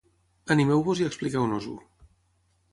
Animeu-vos i expliqueu-nos-ho.